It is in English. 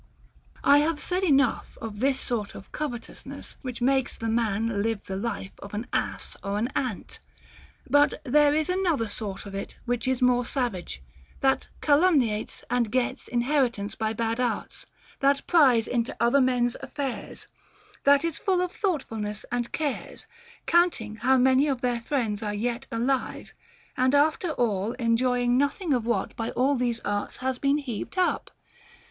6. I have said enough of this sort of covetousness, which makes a man live the life of an ass or ant. But there is another sort of it which is more savage, that calumniates and gets inheritance by bad arts, that pries into other men's affairs, that is full of thoughtfulness and cares, counting how many of their friends are yet alive, and after all enjoying nothing of what by all these arts has been heaped up.